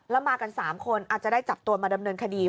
แล้วมากัน๓คนอาจจะได้จับตัวมาดำเนินคดี